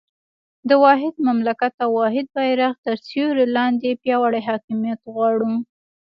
د واحد مملکت او واحد بېرغ تر سیوري لاندې پیاوړی حاکمیت غواړو.